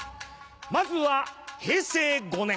まずは平成５年。